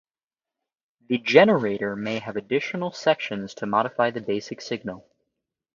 The generator may have additional sections to modify the basic signal.